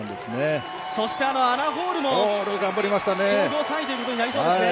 そしてアナ・ホールも総合３位ということになりそうですね。